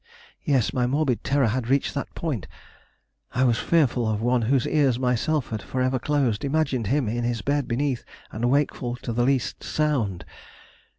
Yes, my morbid terror had reached that point I was fearful of one whose ears I myself had forever closed, imagined him in his bed beneath and wakeful to the least sound.